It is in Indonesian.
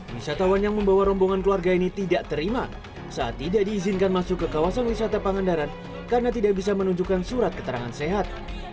wisatawan yang membawa rombongan keluarga ini tidak terima saat tidak diizinkan masuk ke kawasan wisata pangandaran karena tidak bisa menunjukkan surat keterangan sehat